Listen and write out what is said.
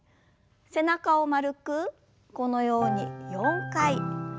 背中を丸くこのように４回ゆすります。